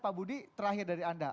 pak budi terakhir dari anda